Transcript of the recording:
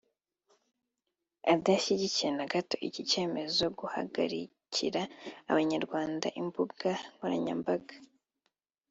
adashyigikiye na gato iki cyemezo guhagarikira Abanyarwanda imbuga nkoranyambaga